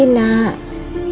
saya hanya pengembara